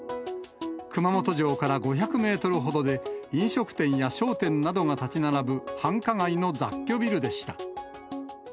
熊本城から５００メートルほどで、飲食店や商店などが建ち並ぶ繁華街の雑居ビルでした。